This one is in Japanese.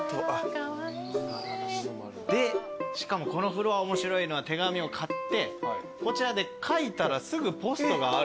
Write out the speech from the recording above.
でしかもこのフロア面白いのは手紙を買ってこちらで書いたらすぐポストがあるという。